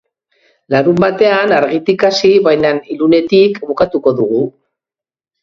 Larunbatean argitik hasi baina ilunetik bukatuko dugu.